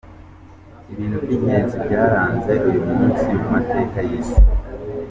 Ibintu by’ingenzi byaraze uyu munsi mu mateka y’isi:.